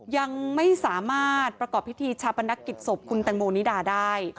ยังไม่สามารถประกอบพิธีชาปนกิจศพคุณแตงโมนิดาได้